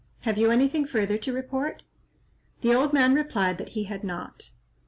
Have you anything further to report?" The old man replied that he had not.